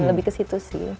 lebih ke situ sih